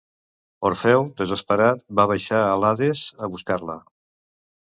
Orfeu, desesperat, va baixar a l'Hades a buscar-la.